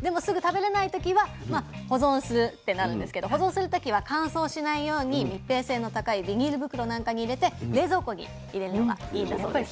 でもすぐ食べれない時は保存するってなるんですけど保存する時は乾燥しないように密閉性の高いビニール袋なんかに入れて冷蔵庫に入れるのがいいんだそうです。